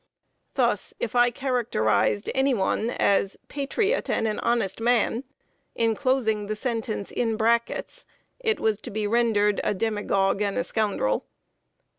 Thus, if I characterized any one as "patriot and an honest man," inclosing the sentence in brackets, it was to be rendered a "demagogue and a scoundrel."